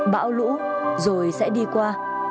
bão lũ rồi sẽ đi qua